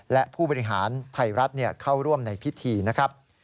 และผู้บริหารไทยรัฐเข้าร่วมในพิธีนะครับ